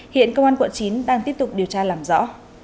hiện công an quận chín đang tiếp tục điều tra làm rõ